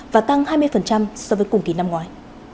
và tăng hai mươi so với cùng kỳ năm ngoái